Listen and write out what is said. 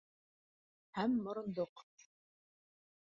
Һәм морондоҡ...